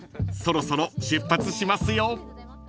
［そろそろ出発しますよ］